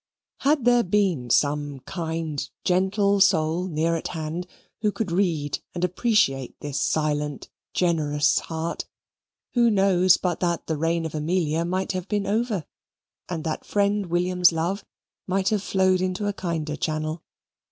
Had there been some kind gentle soul near at hand who could read and appreciate this silent generous heart, who knows but that the reign of Amelia might have been over, and that friend William's love might have flowed into a kinder channel?